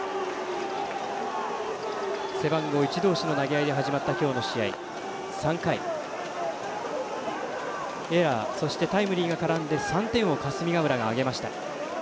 背番号１同士の投げ合いで始まった今日の試合、３回、エラーそしてタイムリーが絡んで３点を霞ヶ浦が挙げました。